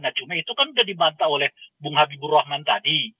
nah cuma itu kan sudah dibantah oleh bung habibur rahman tadi